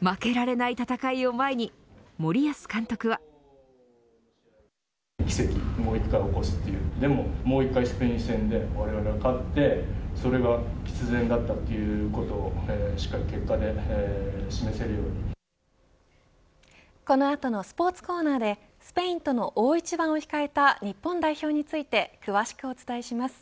負けられない戦いを前に森保監督は。この後のスポーツコーナーでスペインとの大一番を控えた日本代表について詳しくお伝えします。